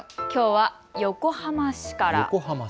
きょうは横浜市から。